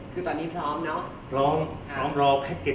คือตอนนี้พร้อมเนอะ